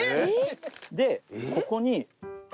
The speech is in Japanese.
でここに。